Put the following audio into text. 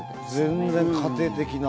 全然、家庭的な。